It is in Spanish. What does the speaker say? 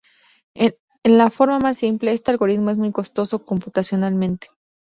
En la forma más simple, este algoritmo es muy costoso computacionalmente.